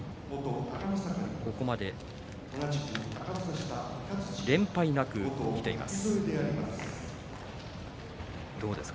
ここまで連敗なくきています。